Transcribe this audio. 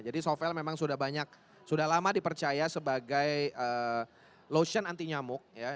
jadi sovel memang sudah banyak sudah lama dipercaya sebagai lotion anti nyamuk ya